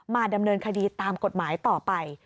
ดำเนินคดีตามกฎหมายต่อไป